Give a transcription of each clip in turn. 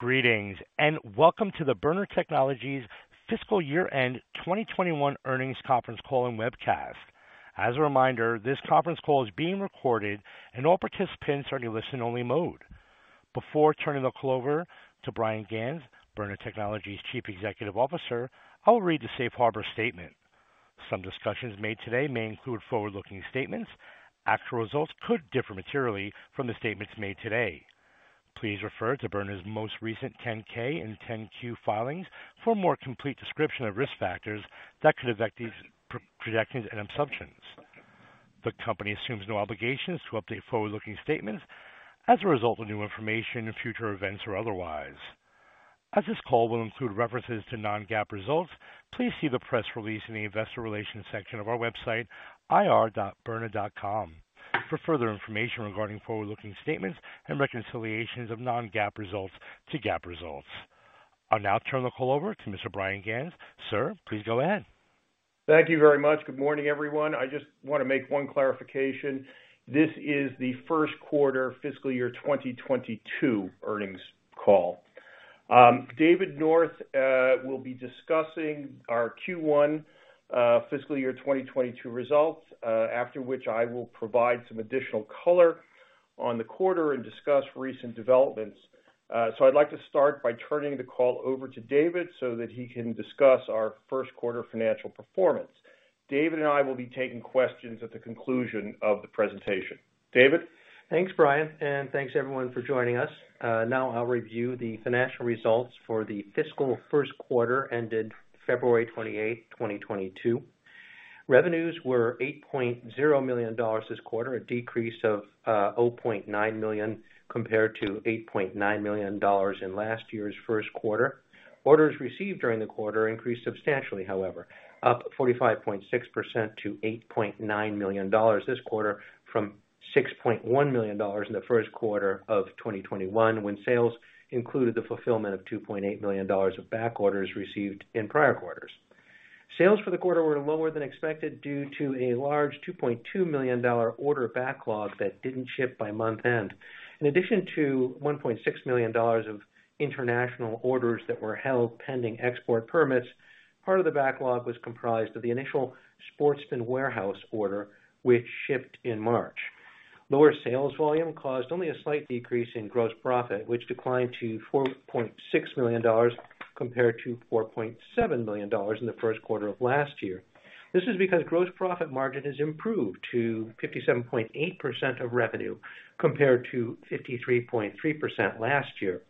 Greetings, and welcome to the Byrna Technologies Fiscal Year-End 2021 Earnings Conference Call and Webcast. As a reminder, this conference call is being recorded and all participants are in listen-only mode. Before turning the call over to Bryan Ganz, Byrna Technologies Chief Executive Officer, I will read the Safe Harbor statement. Some discussions made today may include forward-looking statements. Actual results could differ materially from the statements made today. Please refer to Byrna's most recent 10-K and 10-Q filings for a more complete description of risk factors that could affect these projections and assumptions. The company assumes no obligations to update forward-looking statements as a result of new information, future events, or otherwise. As this call will include references to non-GAAP results, please see the press release in the investor relations section of our website, ir.byrna.com, for further information regarding forward-looking statements and reconciliations of non-GAAP results to GAAP results. I'll now turn the call over to Mr. Bryan Ganz. Sir, please go ahead. Thank you very much. Good morning, everyone. I just wanna make one clarification. This is the First Quarter Fiscal Year 2022 Earnings Call. David North will be discussing our Q1 fiscal year 2022 results, after which I will provide some additional color on the quarter and discuss recent developments. I'd like to start by turning the call over to David so that he can discuss our first quarter financial performance. David and I will be taking questions at the conclusion of the presentation. David? Thanks, Bryan, and thanks everyone for joining us. Now I'll review the financial results for the fiscal first quarter ended February 28, 2022. Revenues were $8.0 million this quarter, a decrease of $0.9 million compared to $8.9 million in last year's first quarter. Orders received during the quarter increased substantially, however, up 45.6% to $8.9 million this quarter from $6.1 million in the first quarter of 2021, when sales included the fulfillment of $2.8 million of back orders received in prior quarters. Sales for the quarter were lower than expected due to a large $2.2 million order backlog that didn't ship by month end. In addition to $1.6 million of international orders that were held pending export permits, part of the backlog was comprised of the initial Sportsman's Warehouse order, which shipped in March. Lower sales volume caused only a slight decrease in gross profit, which declined to $4.6 million compared to $4.7 million in the first quarter of last year. This is because gross profit margin has improved to 57.8% of revenue, compared to 53.3% last year.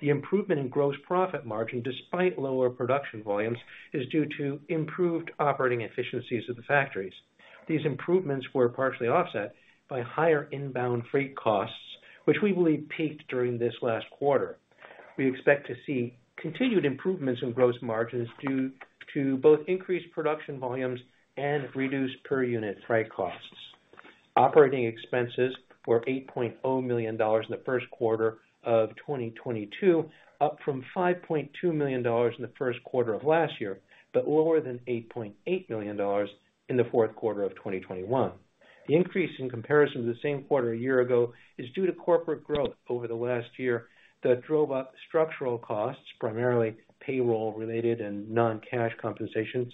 The improvement in gross profit margin, despite lower production volumes, is due to improved operating efficiencies of the factories. These improvements were partially offset by higher inbound freight costs, which we believe peaked during this last quarter. We expect to see continued improvements in gross margins due to both increased production volumes and reduced per unit freight costs. Operating expenses were $8.0 million in the first quarter of 2022, up from $5.2 million in the first quarter of last year, but lower than $8.8 million in the fourth quarter of 2021. The increase in comparison to the same quarter a year ago is due to corporate growth over the last year that drove up structural costs, primarily payroll related and non-cash compensations,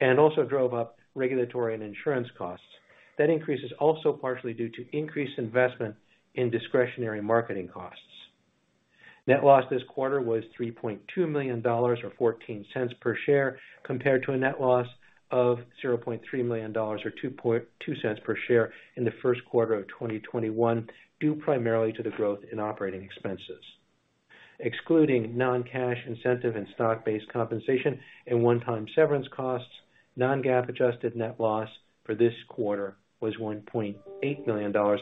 and also drove up regulatory and insurance costs. That increase is also partially due to increased investment in discretionary marketing costs. Net loss this quarter was $3.2 million or $0.14 per share, compared to a net loss of $0.3 million or $0.022 per share in the first quarter of 2021, due primarily to the growth in operating expenses. Excluding non-cash incentive and stock-based compensation and one-time severance costs, non-GAAP adjusted net loss for this quarter was $1.8 million or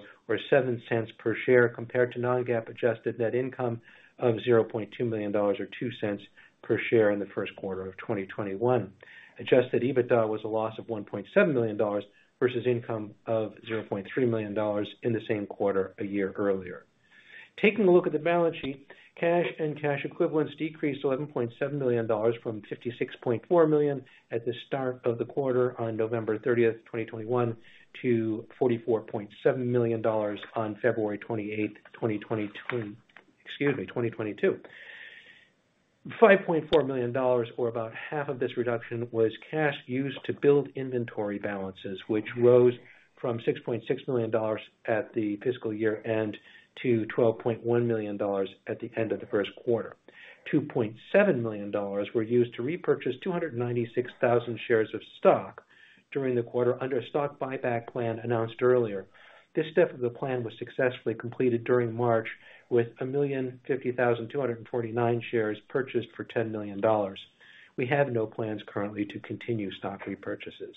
$0.07 per share compared to non-GAAP adjusted net income of $0.2 million or $0.02 per share in the first quarter of 2021. Adjusted EBITDA was a loss of $1.7 million versus income of $0.3 million in the same quarter a year earlier. Taking a look at the balance sheet, cash and cash equivalents decreased $11.7 million from $56.4 million at the start of the quarter on November 30, 2021, to $44.7 million on February 28, 2022. $5.4 million or about half of this reduction was cash used to build inventory balances, which rose from $6.6 million at the fiscal year-end to $12.1 million at the end of the first quarter. $2.7 million were used to repurchase 296,000 shares of stock during the quarter under a stock buyback plan announced earlier. This step of the plan was successfully completed during March, with 1,050,249 shares purchased for $10 million. We have no plans currently to continue stock repurchases.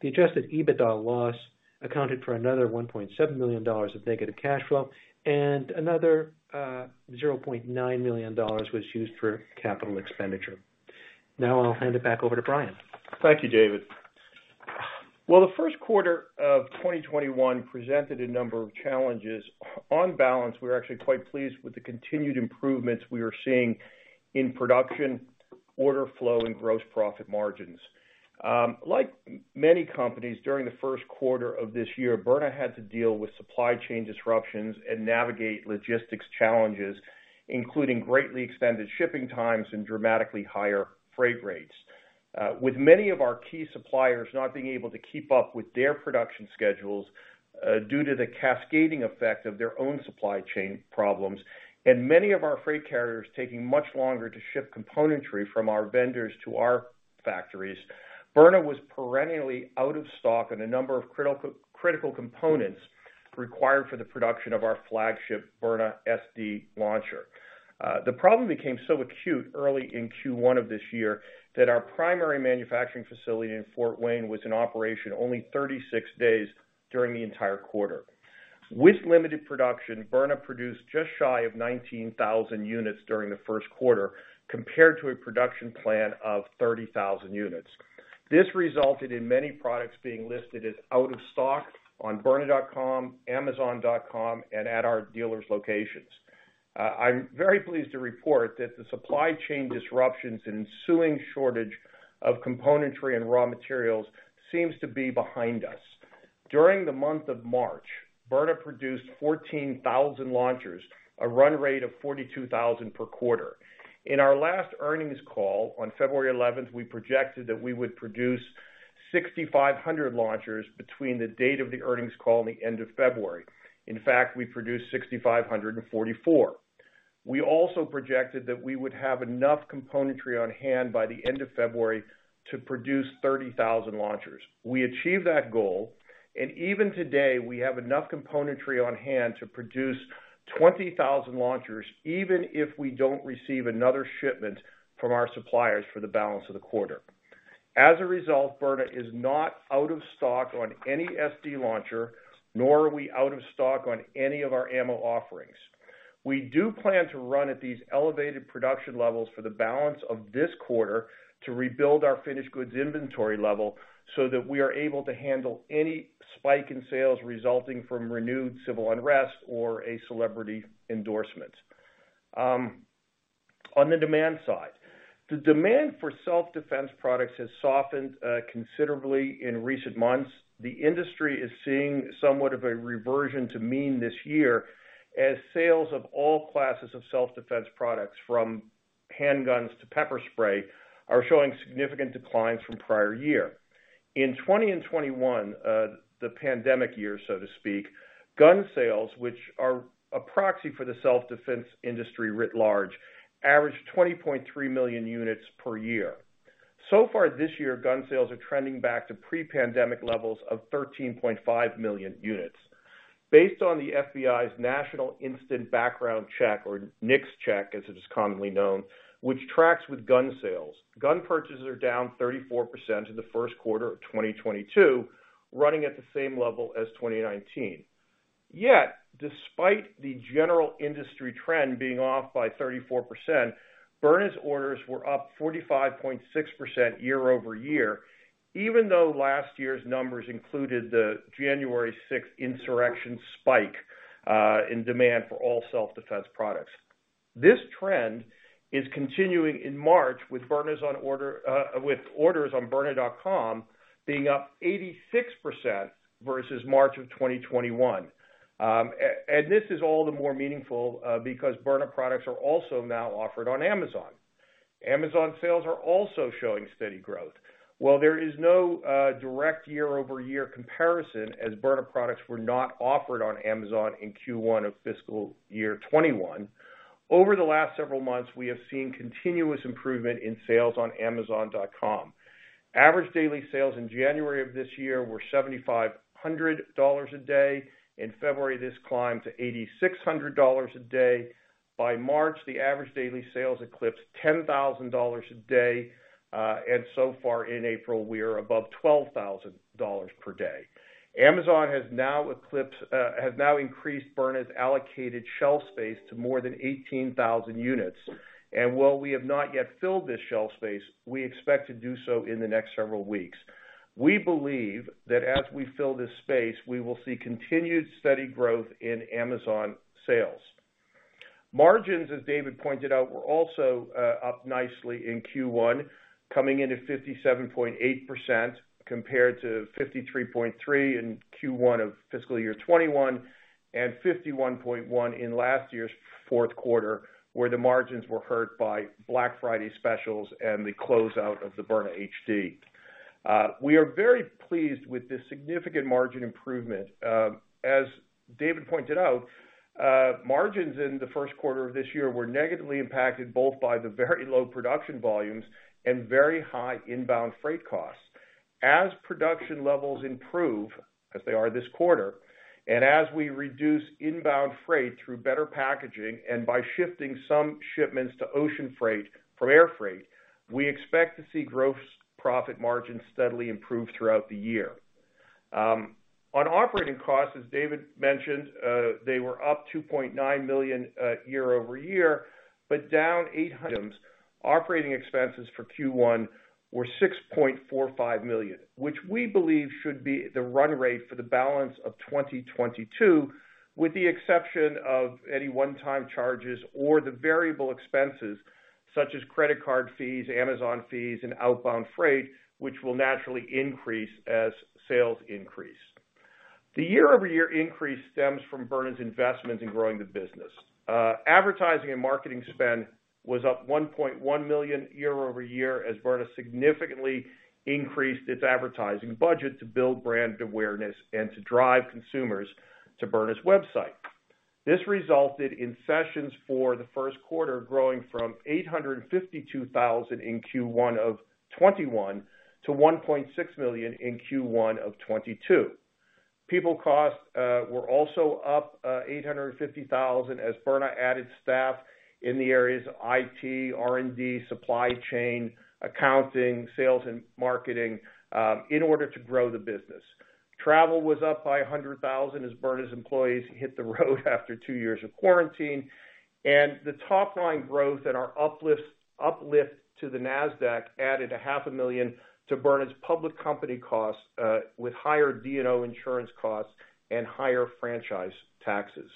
The Adjusted EBITDA loss accounted for another $1.7 million of negative cash flow, and another $0.9 million was used for capital expenditure. Now I'll hand it back over to Bryan. Thank you, David. Well, the first quarter of 2021 presented a number of challenges. On balance, we're actually quite pleased with the continued improvements we are seeing in production, order flow and gross profit margins. Like many companies during the first quarter of this year, Byrna had to deal with supply chain disruptions and navigate logistics challenges, including greatly extended shipping times and dramatically higher freight rates. With many of our key suppliers not being able to keep up with their production schedules, due to the cascading effect of their own supply chain problems, and many of our freight carriers taking much longer to ship componentry from our vendors to our factories, Byrna was perennially out of stock on a number of critical components required for the production of our flagship Byrna SD launcher. The problem became so acute early in Q1 of this year that our primary manufacturing facility in Fort Wayne was in operation only 36 days during the entire quarter. With limited production, Byrna produced just shy of 19,000 units during the first quarter, compared to a production plan of 30,000 units. This resulted in many products being listed as out of stock on byrna.com, amazon.com, and at our dealers' locations. I'm very pleased to report that the supply chain disruptions and ensuing shortage of componentry and raw materials seems to be behind us. During the month of March, Byrna produced 14,000 launchers, a run rate of 42,000 per quarter. In our last earnings call on February 11th, we projected that we would produce 6,500 launchers between the date of the earnings call and the end of February. In fact, we produced 6,544. We also projected that we would have enough componentry on hand by the end of February to produce 30,000 launchers. We achieved that goal, and even today, we have enough componentry on hand to produce 20,000 launchers, even if we don't receive another shipment from our suppliers for the balance of the quarter. As a result, Byrna is not out of stock on any SD launcher, nor are we out of stock on any of our ammo offerings. We do plan to run at these elevated production levels for the balance of this quarter to rebuild our finished goods inventory level so that we are able to handle any spike in sales resulting from renewed civil unrest or a celebrity endorsement. On the demand side, the demand for self-defense products has softened considerably in recent months. The industry is seeing somewhat of a reversion to mean this year, as sales of all classes of self-defense products from handguns to pepper spray are showing significant declines from prior year. In 2020 and 2021, the pandemic years, so to speak, gun sales, which are a proxy for the self-defense industry writ large, averaged 20.3 million units per year. So far this year, gun sales are trending back to pre-pandemic levels of 13.5 million units. Based on the FBI's National Instant Criminal Background Check System, or NICS check, as it is commonly known, which tracks with gun sales, gun purchases are down 34% in the first quarter of 2022, running at the same level as 2019. Yet, despite the general industry trend being off by 34%, Byrna's orders were up 45.6% year-over-year, even though last year's numbers included the January 6 insurrection spike in demand for all self-defense products. This trend is continuing in March with orders on byrna.com being up 86% versus March of 2021. And this is all the more meaningful because Byrna products are also now offered on Amazon. Amazon sales are also showing steady growth. While there is no direct year-over-year comparison, as Byrna products were not offered on Amazon in Q1 of fiscal year 2021, over the last several months, we have seen continuous improvement in sales on amazon.com. Average daily sales in January of this year were $7,500 a day. In February, this climbed to $8,600 a day. By March, the average daily sales eclipsed $10,000 a day. So far in April, we are above $12,000 per day. Amazon has now increased Byrna's allocated shelf space to more than 18,000 units. While we have not yet filled this shelf space, we expect to do so in the next several weeks. We believe that as we fill this space, we will see continued steady growth in Amazon sales. Margins, as David pointed out, were also up nicely in Q1, coming in at 57.8% compared to 53.3% in Q1 of fiscal year 2021 and 51.1% in last year's fourth quarter, where the margins were hurt by Black Friday specials and the closeout of the Byrna HD. We are very pleased with this significant margin improvement. As David pointed out, margins in the first quarter of this year were negatively impacted both by the very low production volumes and very high inbound freight costs. As production levels improve, as they are this quarter, and as we reduce inbound freight through better packaging and by shifting some shipments to ocean freight from air freight, we expect to see gross profit margins steadily improve throughout the year. On operating costs, as David mentioned, they were up $2.9 million year-over-year, but operating expenses for Q1 were $6.45 million, which we believe should be the run rate for the balance of 2022, with the exception of any one-time charges or the variable expenses such as credit card fees, Amazon fees, and outbound freight, which will naturally increase as sales increase. The year-over-year increase stems from Byrna's investment in growing the business. Advertising and marketing spend was up $1.1 million year-over-year as Byrna significantly increased its advertising budget to build brand awareness and to drive consumers to Byrna's website. This resulted in sessions for the first quarter growing from $852,000 in Q1 of 2021 to 1.6 million in Q1 of 2022. People costs were also up $850,000 as Byrna added staff in the areas of IT, R&D, supply chain, accounting, sales and marketing in order to grow the business. Travel was up by 100,000 as Byrna's employees hit the road after two years of quarantine, and the top line growth and our uplift to the Nasdaq added $0.5 million to Byrna's public company costs, with higher D&O insurance costs and higher franchise taxes.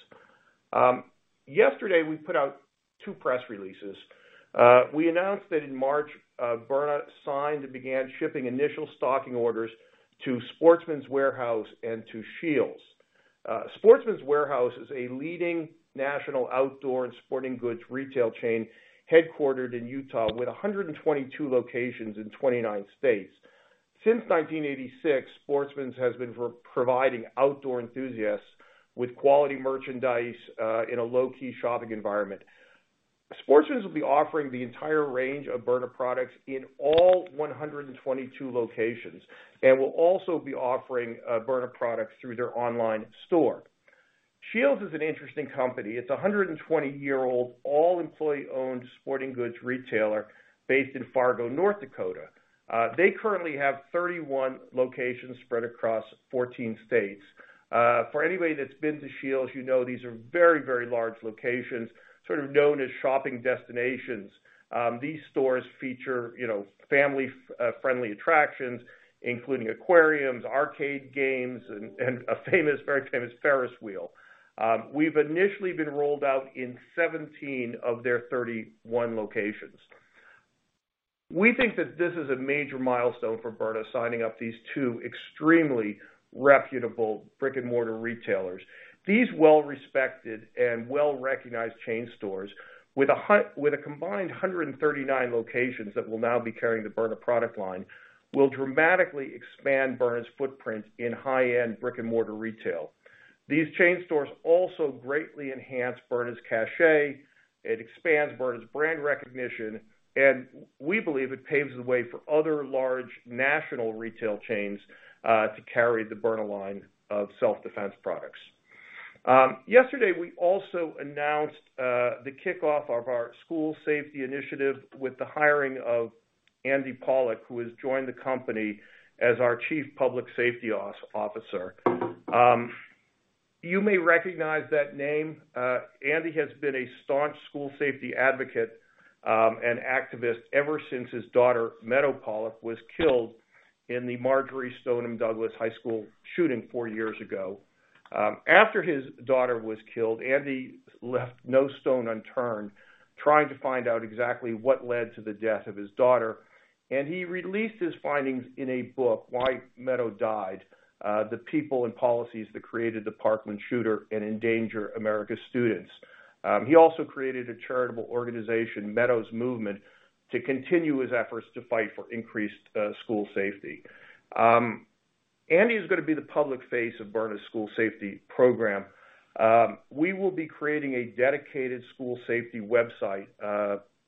Yesterday, we put out two press releases. We announced that in March, Byrna signed and began shipping initial stocking orders to Sportsman's Warehouse and to SCHEELS. Sportsman's Warehouse is a leading national outdoor and sporting goods retail chain headquartered in Utah with 122 locations in 29 states. Since 1986, Sportsman's has been providing outdoor enthusiasts with quality merchandise in a low-key shopping environment. Sportsman's will be offering the entire range of Byrna products in all 122 locations, and will also be offering Byrna products through their online store. SCHEELS is an interesting company. It's a 120-year-old, all employee-owned sporting goods retailer based in Fargo, North Dakota. They currently have 31 locations spread across 14 states. For anybody that's been to Scheels, you know these are very, very large locations, sort of known as shopping destinations. These stores feature, you know, family friendly attractions, including aquariums, arcade games and a very famous Ferris wheel. We've initially been rolled out in 17 of their 31 locations. We think that this is a major milestone for Byrna, signing up these two extremely reputable brick-and-mortar retailers. These well-respected and well-recognized chain stores with a combined 139 locations that will now be carrying the Byrna product line will dramatically expand Byrna's footprint in high-end brick-and-mortar retail. These chain stores also greatly enhance Byrna's cachet. It expands Byrna's brand recognition, and we believe it paves the way for other large national retail chains to carry the Byrna line of self-defense products. Yesterday we also announced the kickoff of our school safety initiative with the hiring of Andy Pollack, who has joined the company as our Chief Public Safety Officer. You may recognize that name. Andy has been a staunch school safety advocate and activist ever since his daughter, Meadow Pollack, was killed in the Marjorie Stoneman Douglas High School shooting four years ago. After his daughter was killed, Andy left no stone unturned trying to find out exactly what led to the death of his daughter, and he released his findings in a book, Why Meadow Died: The People and Policies That Created the Parkland Shooter and Endanger America's Students. He also created a charitable organization, Meadow's Movement, to continue his efforts to fight for increased school safety. Andy is gonna be the public face of Byrna's School Safety Program. We will be creating a dedicated school safety website,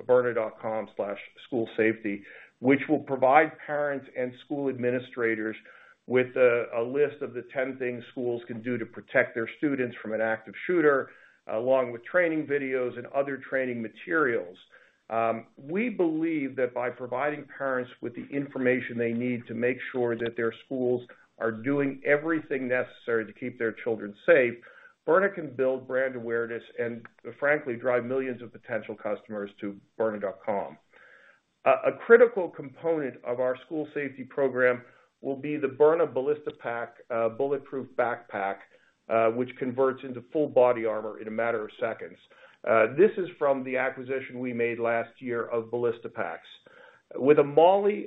byrna.com/school safety, which will provide parents and school administrators with a list of the 10 things schools can do to protect their students from an active shooter, along with training videos and other training materials. We believe that by providing parents with the information they need to make sure that their schools are doing everything necessary to keep their children safe, Byrna can build brand awareness and, frankly, drive millions of potential customers to byrna.com. A critical component of our school safety program will be the Byrna Ballistipac, a bulletproof backpack, which converts into full body armor in a matter of seconds. This is from the acquisition we made last year of Ballistipac. With a MOLLE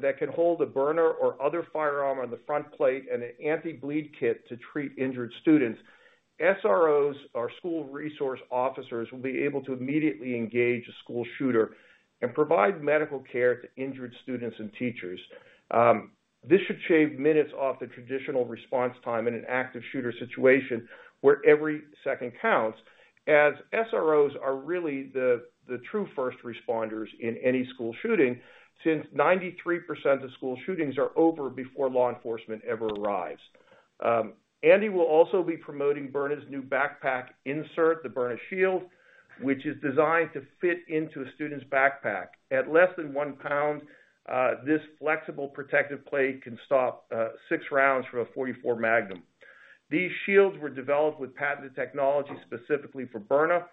that can hold a Byrna or other firearm on the front plate and an anti-bleed kit to treat injured students, SROs, or school resource officers, will be able to immediately engage a school shooter and provide medical care to injured students and teachers. This should shave minutes off the traditional response time in an active shooter situation where every second counts, as SROs are really the true first responders in any school shooting since 93% of school shootings are over before law enforcement ever arrives. Andy will also be promoting Byrna's new backpack insert, the Byrna Shield, which is designed to fit into a student's backpack. At less than 1 pound, this flexible protective plate can stop six rounds from a .44 Magnum. These shields were developed with patented technology specifically for Byrna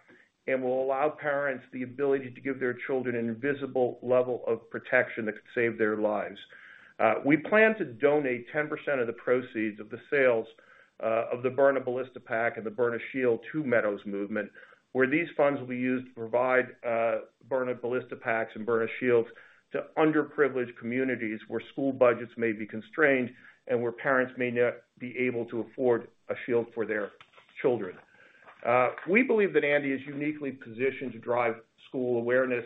and will allow parents the ability to give their children an invisible level of protection that could save their lives. We plan to donate 10% of the proceeds of the sales of the Byrna Ballistipac and the Byrna Shield to Meadow's Movement, where these funds will be used to provide Byrna Ballistipacs and Byrna Shields to underprivileged communities where school budgets may be constrained and where parents may not be able to afford a shield for their children. We believe that Andy is uniquely positioned to drive awareness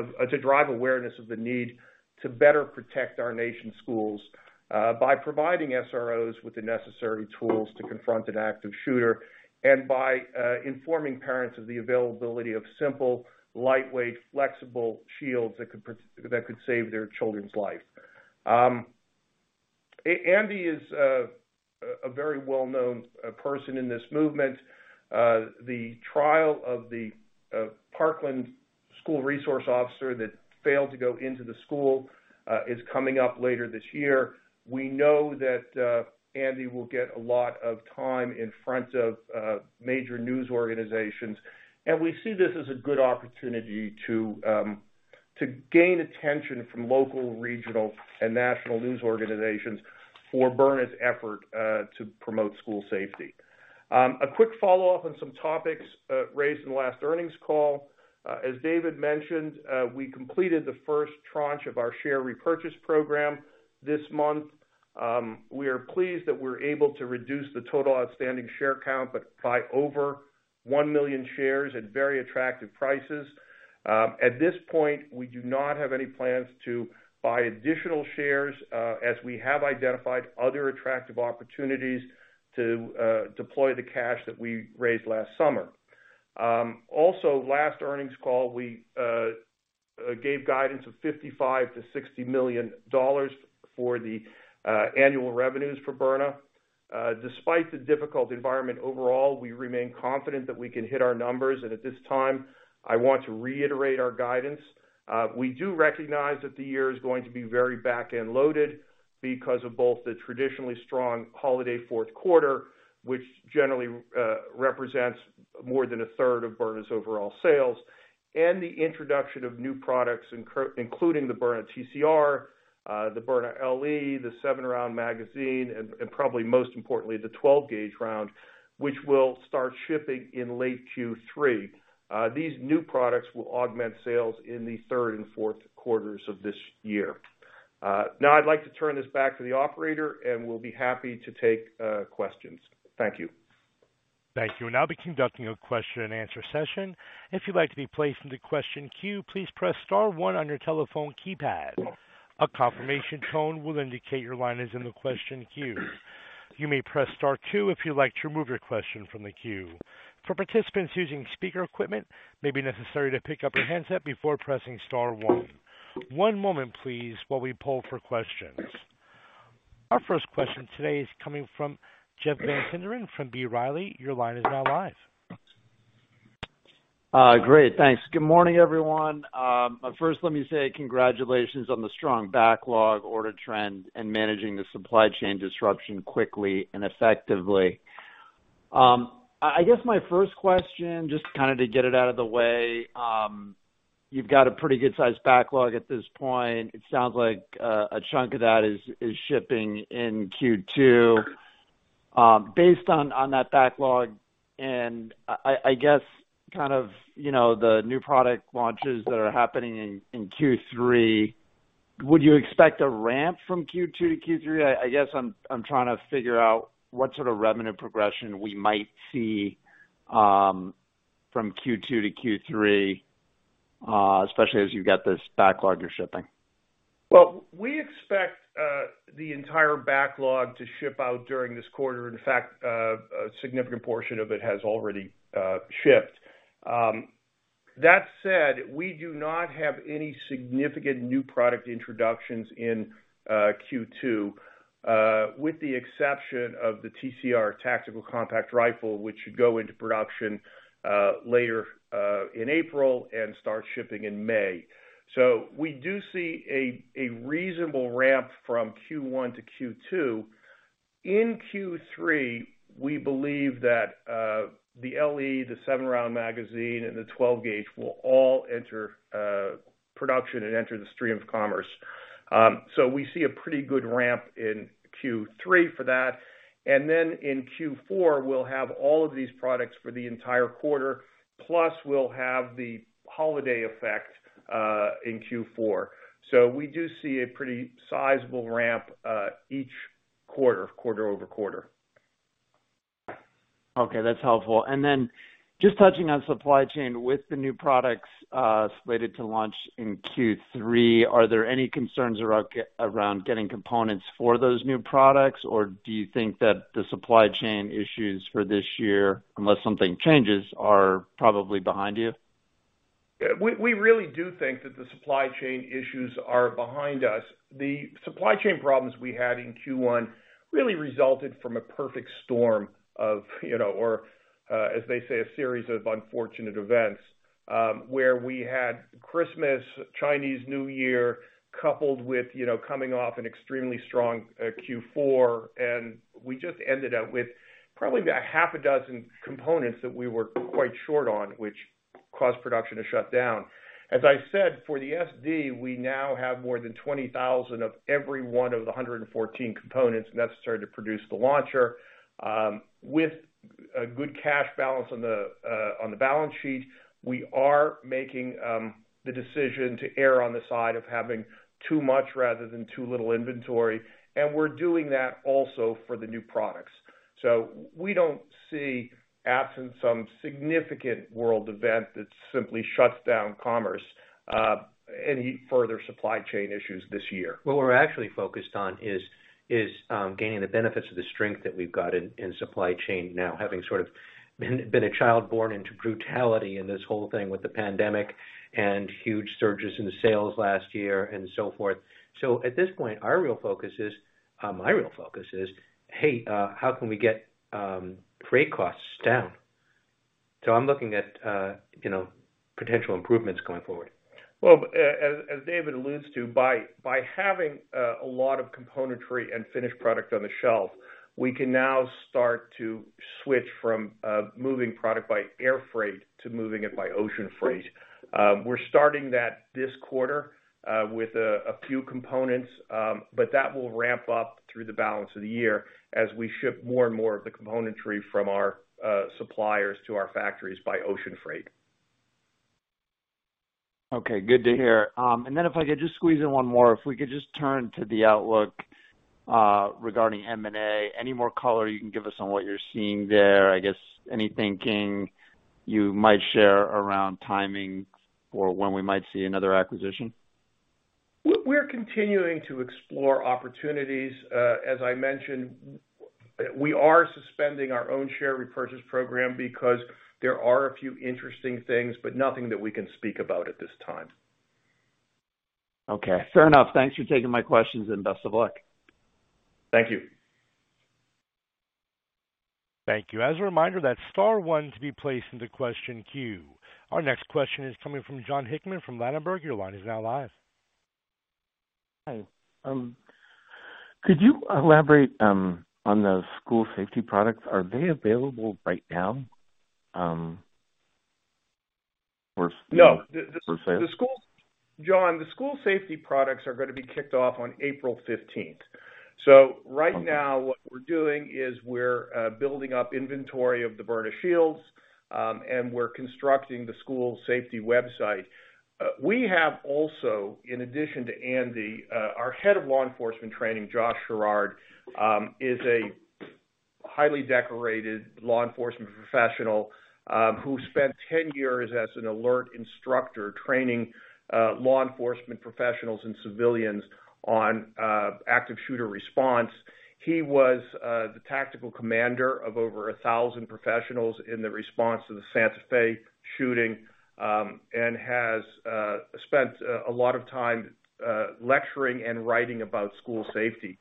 of the need to better protect our nation's schools by providing SROs with the necessary tools to confront an active shooter and by informing parents of the availability of simple, lightweight, flexible shields that could save their children's life. Andy is a very well-known person in this movement. The trial of the Parkland School Resource Officer that failed to go into the school is coming up later this year. We know that Andy will get a lot of time in front of major news organizations, and we see this as a good opportunity to gain attention from local, regional, and national news organizations for Byrna's effort to promote school safety. A quick follow-up on some topics raised in the last earnings call. As David mentioned, we completed the first tranche of our share repurchase program this month. We are pleased that we're able to reduce the total outstanding share count by over 1 million shares at very attractive prices. At this point, we do not have any plans to buy additional shares, as we have identified other attractive opportunities to deploy the cash that we raised last summer. Also last earnings call, we gave guidance of $55 million-$60 million for the annual revenues for Byrna. Despite the difficult environment overall, we remain confident that we can hit our numbers. At this time, I want to reiterate our guidance. We do recognize that the year is going to be very back-end loaded because of both the traditionally strong holiday fourth quarter, which generally represents more than a third of Byrna's overall sales, and the introduction of new products including the Byrna TCR, the Byrna LE, the 7-Round Magazine, and probably most importantly, the 12-gauge round, which will start shipping in late Q3. These new products will augment sales in the third and fourth quarters of this year. Now I'd like to turn this back to the operator, and we'll be happy to take questions. Thank you. Thank you. We'll now be conducting a question-and-answer session. If you'd like to be placed into question queue, please press star one on your telephone keypad. A confirmation tone will indicate your line is in the question queue. You may press star two if you'd like to remove your question from the queue. For participants using speaker equipment, it may be necessary to pick up your handset before pressing star one. One moment please, while we poll for questions. Our first question today is coming from Jeff Van Sinderen from B. Riley. Your line is now live. Great. Thanks. Good morning, everyone. First let me say congratulations on the strong backlog order trend and managing the supply chain disruption quickly and effectively. I guess my first question, just kinda to get it out of the way, you've got a pretty good sized backlog at this point. It sounds like a chunk of that is shipping in Q2. Based on that backlog and I guess kind of, you know, the new product launches that are happening in Q3, would you expect a ramp from Q2 to Q3? I guess I'm trying to figure out what sort of revenue progression we might see from Q2 to Q3, especially as you get this backlog you're shipping. Well, we expect the entire backlog to ship out during this quarter. In fact, a significant portion of it has already shipped. That said, we do not have any significant new product introductions in Q2 with the exception of the TCR, Tactical Compact Rifle, which should go into production later in April and start shipping in May. We do see a reasonable ramp from Q1 to Q2. In Q3, we believe that the LE, the 7-Round Magazine, and the 12-gauge will all enter production and enter the stream of commerce. We see a pretty good ramp in Q3 for that. In Q4, we'll have all of these products for the entire quarter, plus we'll have the holiday effect in Q4. We do see a pretty sizable ramp each quarter-over-quarter. Okay, that's helpful. Then just touching on supply chain with the new products slated to launch in Q3, are there any concerns around getting components for those new products? Do you think that the supply chain issues for this year, unless something changes, are probably behind you? Yeah. We really do think that the supply chain issues are behind us. The supply chain problems we had in Q1 really resulted from a perfect storm of, as they say, a series of unfortunate events, where we had Christmas, Chinese New Year, coupled with, coming off an extremely strong Q4, and we just ended up with probably about half a dozen components that we were quite short on, which caused production to shut down. As I said, for the SD, we now have more than 20,000 of every one of the 114 components necessary to produce the launcher. With a good cash balance on the balance sheet, we are making the decision to err on the side of having too much rather than too little inventory, and we're doing that also for the new products. We don't see, absent some significant world event that simply shuts down commerce, any further supply chain issues this year. What we're actually focused on is gaining the benefits of the strength that we've got in supply chain now, having sort of been a child born into brutality in this whole thing with the pandemic and huge surges in the sales last year and so forth. At this point, our real focus is, my real focus is, hey, how can we get freight costs down? I'm looking at you know, potential improvements going forward. Well, as David alludes to, by having a lot of componentry and finished product on the shelf, we can now start to switch from moving product by air freight to moving it by ocean freight. We're starting that this quarter, with a few components, but that will ramp up through the balance of the year as we ship more and more of the componentry from our suppliers to our factories by ocean freight. Okay, good to hear. If I could just squeeze in one more. If we could just turn to the outlook, regarding M&A. Any more color you can give us on what you're seeing there? I guess any thinking you might share around timing or when we might see another acquisition? We're continuing to explore opportunities. As I mentioned, we are suspending our own share repurchase program because there are a few interesting things, but nothing that we can speak about at this time. Okay, fair enough. Thanks for taking my questions and best of luck. Thank you. Thank you. As a reminder, that's star one to be placed into question queue. Our next question is coming from Jon Hickman from Ladenburg. Your line is now live. Hi. Could you elaborate on the School Safety products? Are they available right now, or No. For sale? Jon, the School Safety products are gonna be kicked off on April 15th. Okay. Right now what we're doing is we're building up inventory of the Byrna Shield, and we're constructing the school safety website. We have also, in addition to Andy, our Head of Law Enforcement Training, Josh Schirard, is a highly decorated law enforcement professional, who spent 10 years as an ALERRT instructor training law enforcement professionals and civilians on active shooter response. He was the tactical commander of over 1,000 professionals in the response to the Santa Fe shooting, and has spent a lot of time lecturing and writing about school safety.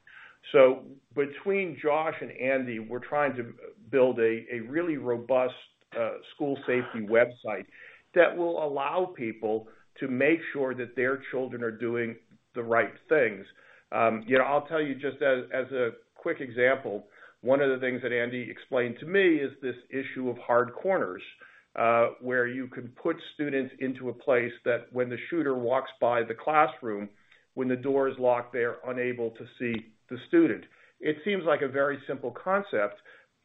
Between Josh and Andy, we're trying to build a really robust school safety website that will allow people to make sure that their children are doing the right things. You know, I'll tell you just as a quick example, one of the things that Andy explained to me is this issue of hard corners, where you can put students into a place that when the shooter walks by the classroom, when the door is locked, they're unable to see the student. It seems like a very simple concept,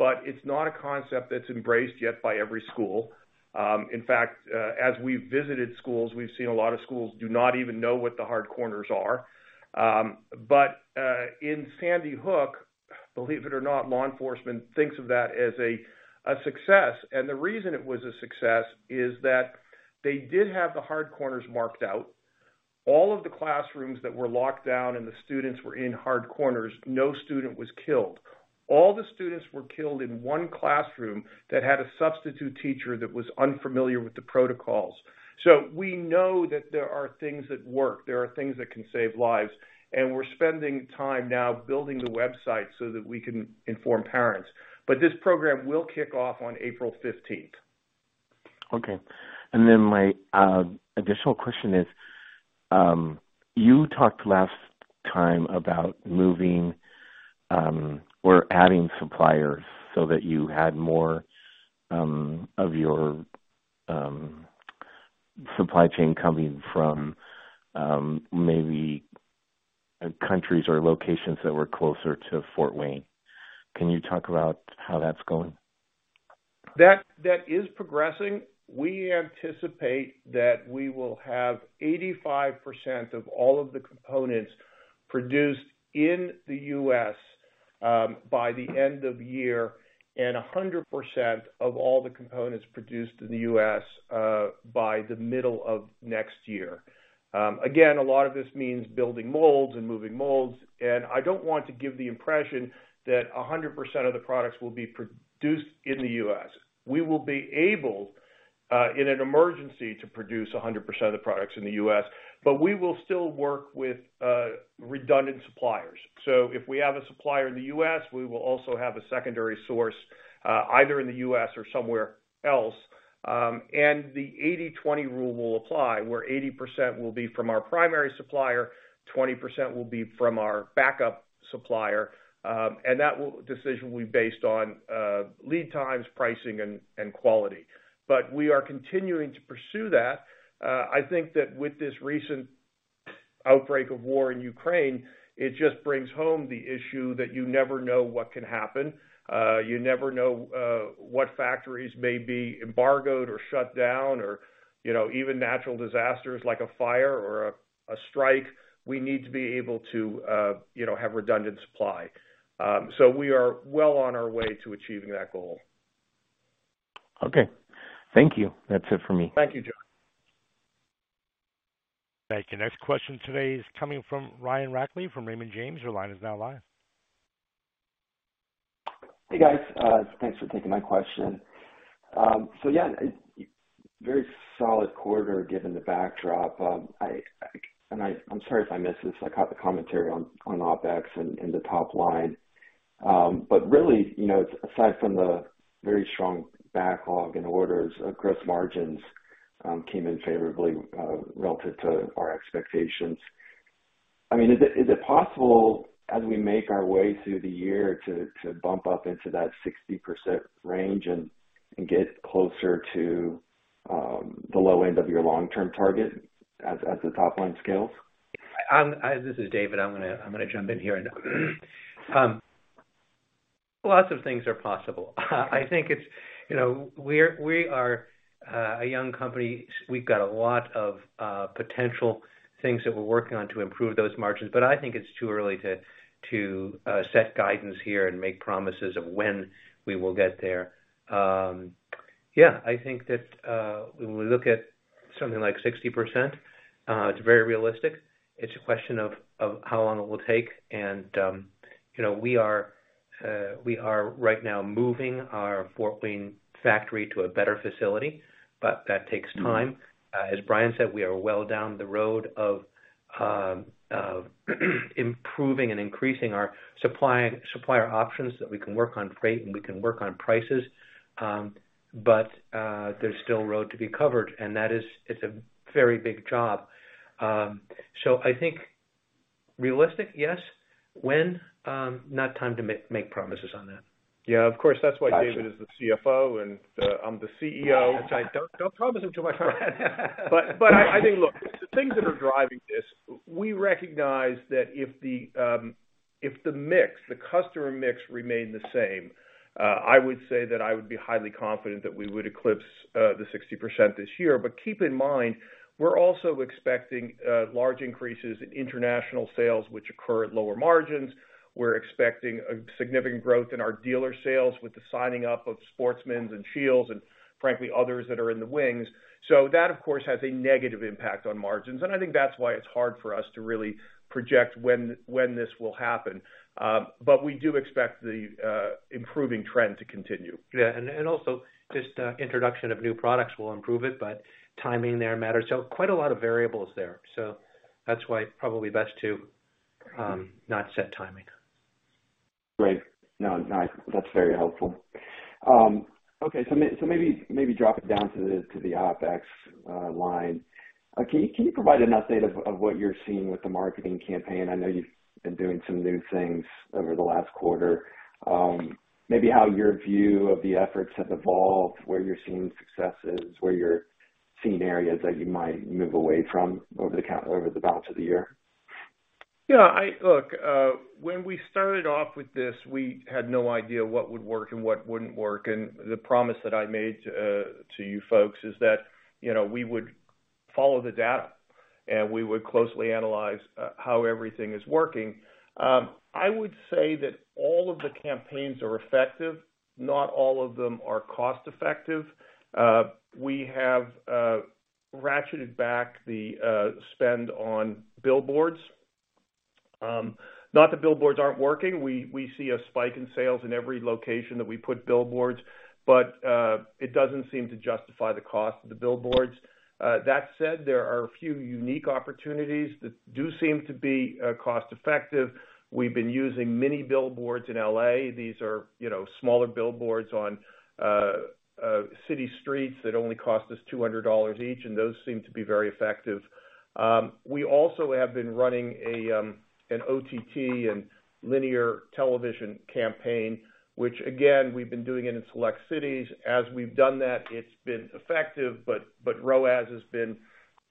but it's not a concept that's embraced yet by every school. In fact, as we visited schools, we've seen a lot of schools do not even know what the hard corners are. In Sandy Hook, believe it or not, law enforcement thinks of that as a success. The reason it was a success is that they did have the hard corners marked out. All of the classrooms that were locked down and the students were in hard corners, no student was killed. All the students were killed in one classroom that had a substitute teacher that was unfamiliar with the protocols. We know that there are things that work, there are things that can save lives, and we're spending time now building the website so that we can inform parents. This program will kick off on April 15th. Okay. My additional question is, you talked last time about moving or adding suppliers so that you had more of your supply chain coming from maybe countries or locations that were closer to Fort Wayne. Can you talk about how that's going? That is progressing. We anticipate that we will have 85% of all of the components produced in the U.S. by the end of the year and 100% of all the components produced in the U.S. by the middle of next year. Again, a lot of this means building molds and moving molds, and I don't want to give the impression that 100% of the products will be produced in the U.S. We will be able, in an emergency to produce 100% of the products in the U.S., but we will still work with redundant suppliers. If we have a supplier in the U.S., we will also have a secondary source, either in the U.S. or somewhere else. The 80-20 rule will apply, where 80% will be from our primary supplier, 20% will be from our backup supplier, and that decision will be based on lead times, pricing, and quality. We are continuing to pursue that. I think that with this recent outbreak of war in Ukraine, it just brings home the issue that you never know what can happen. You never know what factories may be embargoed or shut down or, you know, even natural disasters like a fire or a strike. We need to be able to, you know, have redundant supply. We are well on our way to achieving that goal. Okay. Thank you. That's it for me. Thank you, Jon Hickman. Thank you. Next question today is coming from Brian Gesuale from Raymond James. Your line is now live. Hey, guys. Thanks for taking my question. So yeah, very solid quarter given the backdrop. I'm sorry if I missed this. I caught the commentary on OpEx and the top line. But really, you know, aside from the very strong backlog and orders, gross margins came in favorably relative to our expectations. I mean, is it possible as we make our way through the year to bump up into that 60% range and get closer to the low end of your long-term target as the top line scales? This is David North. I'm gonna jump in here. Lots of things are possible. I think it's, you know, we are a young company. We've got a lot of potential things that we're working on to improve those margins. I think it's too early to set guidance here and make promises of when we will get there. Yeah, I think that when we look at something like 60%, it's very realistic. It's a question of how long it will take. You know, we are right now moving our Fort Wayne factory to a better facility, but that takes time. As Bryan Ganz said, we are well down the road of improving and increasing our supplier options that we can work on freight and we can work on prices. There's still road to be covered, and it's a very big job. I think realistic, yes. When? Not time to make promises on that. Yeah, of course. That's why David is the CFO, and I'm the CEO. That's right. Don't promise them too much, Bryan. I think, look, the things that are driving this, we recognize that if the mix, the customer mix remained the same, I would say that I would be highly confident that we would eclipse 60% this year. Keep in mind, we're also expecting large increases in international sales, which occur at lower margins. We're expecting a significant growth in our dealer sales with the signing up of Sportsman's and SCHEELS and frankly, others that are in the wings. That, of course, has a negative impact on margins. I think that's why it's hard for us to really project when this will happen. We do expect the improving trend to continue. Also just introduction of new products will improve it, but timing there matters. Quite a lot of variables there. That's why probably best to not set timing. Great. No, no, that's very helpful. Okay. Maybe drop it down to the OpEx line. Can you provide an update of what you're seeing with the marketing campaign? I know you've been doing some new things over the last quarter, maybe how your view of the efforts have evolved, where you're seeing successes, where you're seeing areas that you might move away from over the balance of the year. Yeah, look, when we started off with this, we had no idea what would work and what wouldn't work, and the promise that I made to you folks is that, you know, we would follow the data, and we would closely analyze how everything is working. I would say that all of the campaigns are effective. Not all of them are cost-effective. We have ratcheted back the spend on billboards. Not that billboards aren't working. We see a spike in sales in every location that we put billboards, but it doesn't seem to justify the cost of the billboards. That said, there are a few unique opportunities that do seem to be cost-effective. We've been using mini billboards in L.A. These are, you know, smaller billboards on city streets that only cost us $200 each, and those seem to be very effective. We also have been running an OTT and linear television campaign, which again, we've been doing it in select cities. As we've done that, it's been effective, but ROAS has been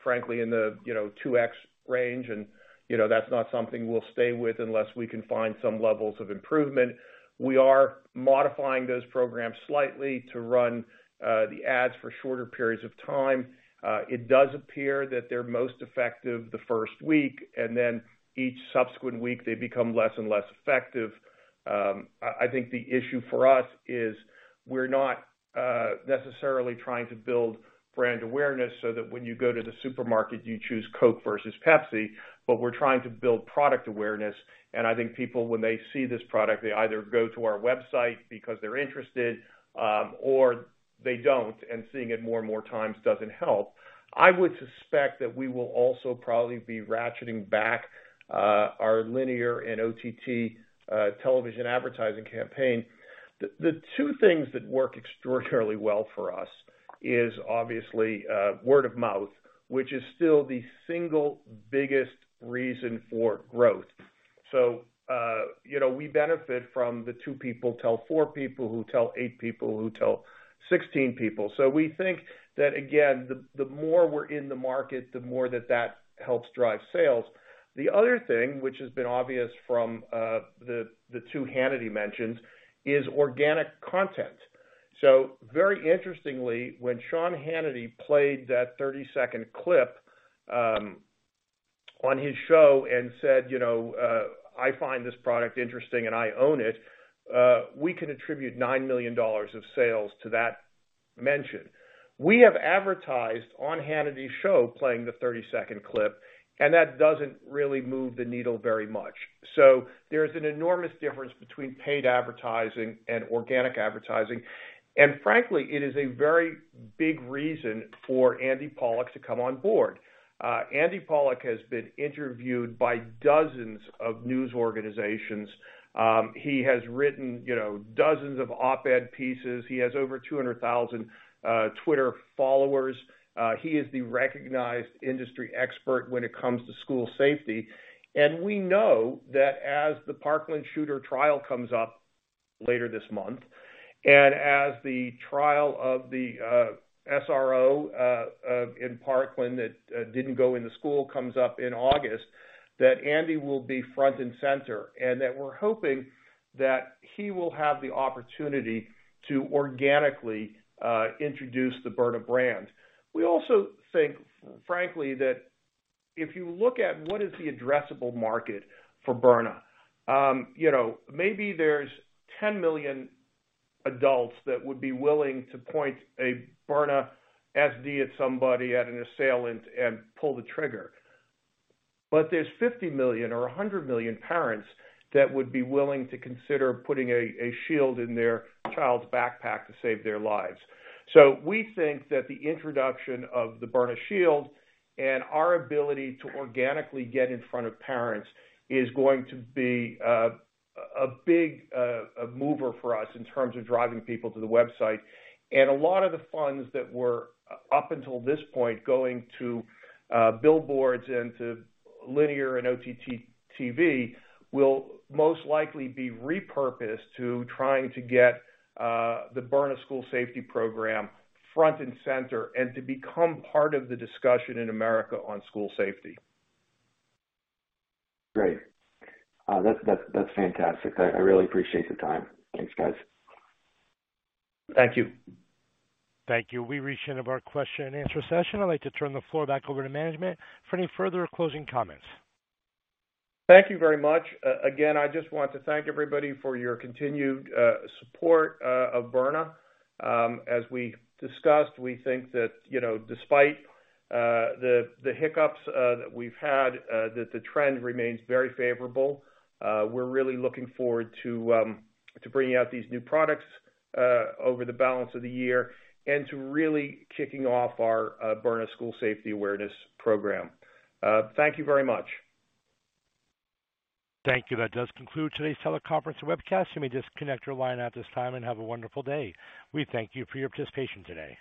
frankly in the, you know, 2x range and, you know, that's not something we'll stay with unless we can find some levels of improvement. We are modifying those programs slightly to run the ads for shorter periods of time. It does appear that they're most effective the first week, and then each subsequent week they become less and less effective. I think the issue for us is we're not necessarily trying to build brand awareness so that when you go to the supermarket, you choose Coke versus Pepsi, but we're trying to build product awareness. I think people, when they see this product, they either go to our website because they're interested, or they don't, and seeing it more and more times doesn't help. I would suspect that we will also probably be ratcheting back our linear and OTT television advertising campaign. The two things that work extraordinarily well for us is obviously word of mouth, which is still the single biggest reason for growth. You know, we benefit from the two people tell four people, who tell eight people, who tell 16 people. We think that, again, the more we're in the market, the more that helps drive sales. The other thing, which has been obvious from the two Hannity mentions, is organic content. Very interestingly, when Sean Hannity played that 30-second clip on his show and said, "I find this product interesting and I own it," we can attribute $9 million of sales to that mention. We have advertised on Hannity's show playing the 30-second clip, and that doesn't really move the needle very much. There's an enormous difference between paid advertising and organic advertising. Frankly, it is a very big reason for Andy Pollack to come on board. Andy Pollack has been interviewed by dozens of news organizations. He has written dozens of op-ed pieces. He has over 200,000 Twitter followers. He is the recognized industry expert when it comes to school safety. We know that as the Parkland shooter trial comes up later this month, and as the trial of the SRO in Parkland that didn't go in the school comes up in August, that Andy will be front and center, and that we're hoping that he will have the opportunity to organically introduce the Byrna brand. We also think, frankly, that if you look at what is the addressable market for Byrna, you know, maybe there's 10 million adults that would be willing to point a Byrna SD at somebody, at an assailant, and pull the trigger. There's 50 million or 100 million parents that would be willing to consider putting a shield in their child's backpack to save their lives. We think that the introduction of the Byrna Shield and our ability to organically get in front of parents is going to be a big mover for us in terms of driving people to the website. A lot of the funds that were, up until this point, going to billboards and to linear and OTT TV will most likely be repurposed to trying to get the Byrna School Safety Program front and center and to become part of the discussion in America on school safety. Great. That's fantastic. I really appreciate the time. Thanks, guys. Thank you. Thank you. We've reached the end of our question and answer session. I'd like to turn the floor back over to management for any further closing comments. Thank you very much. Again, I just want to thank everybody for your continued support of Byrna. As we discussed, we think that, you know, despite the hiccups that we've had, that the trend remains very favorable. We're really looking forward to bringing out these new products over the balance of the year and to really kicking off our Byrna School Safety Awareness Program. Thank you very much. Thank you. That does conclude today's teleconference and webcast. You may disconnect your line at this time and have a wonderful day. We thank you for your participation today.